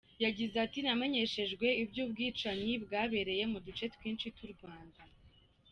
Yagize ati : ‘Namenyeshejwe iby’ubwicanyi bwabereye mu duce twinshi tw’u Rwanda.